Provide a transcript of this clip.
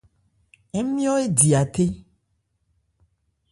Ńmyɔ́ édya thé.